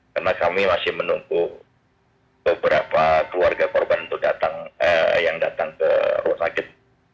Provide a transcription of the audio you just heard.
karena kami masih menunggu beberapa keluarga korban yang datang ke ruang sakit